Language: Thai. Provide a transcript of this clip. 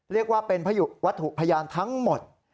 เรียกว่าเป็นวัตถุพยานทั้งหมด